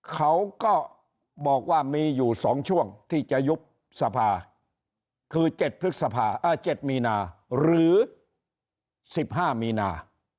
เขาก็บอกว่ามีอยู่๒ช่วงที่จะยุบสภาคือ๗พฤษภา๗มีนาหรือ๑๕มีนา